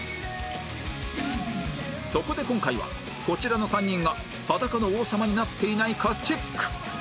そこで今回はこちらの３人が裸の王様になっていないかチェック